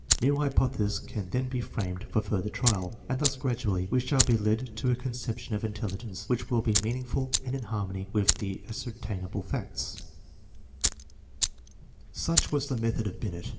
New hypotheses can then be framed for further trial, am} thus gradually we shall be led to a conception of intelli gence which will be meaningful and in hunnony with all the aseertaiiuible fads Such was the method of Binet.